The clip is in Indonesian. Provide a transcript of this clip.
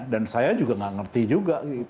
dan saya juga gak ngerti juga